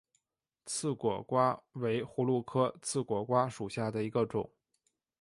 刺果瓜为葫芦科刺果瓜属下的一个种。